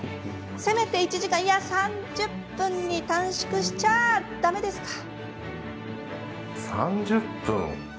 せめて１時間いや３０分に短縮しちゃだめですか？